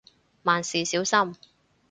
萬事小心